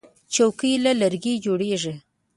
چوکۍ له لرګي جوړیږي.